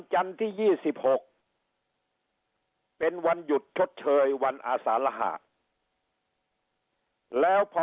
จันทร์ที่๒๖เป็นวันหยุดชดเชยวันอาสารหะแล้วพอ